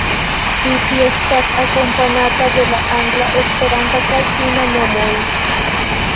Tiu ĉi estas akompanata de la angla, Esperanta kaj ĉina nomoj.